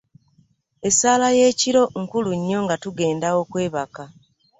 Essaala y'ekiro nkulu nnyo nga tugenda okwebaka.